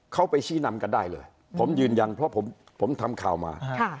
เขาไปชี้นำกันได้เลยผมยืนยันเพราะผมทำข่าวมา